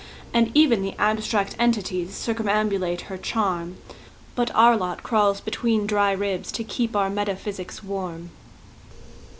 And even the Abstract Entities Circumambulate her charm; But our lot crawls between dry ribs To keep our metaphysics warm.